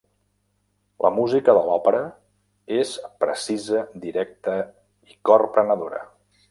La música de l'òpera és precisa, directa i corprenedora.